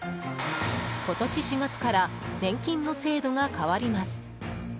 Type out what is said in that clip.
今年４月から年金の制度が変わります。